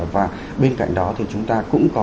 và bên cạnh đó thì chúng ta cũng có